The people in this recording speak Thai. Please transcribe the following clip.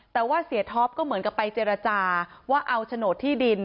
แต่ว่าเสียท็อปก็เหมือนกับไปเจรจาว่าเอาโฉนดที่ดิน